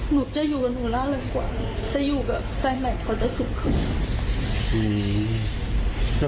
นูจะอยู่กับหนูเร็วกว่าอยู่กับแฟนใหม่คงจะกลุ่มคือ